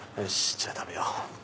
じゃあ食べよう。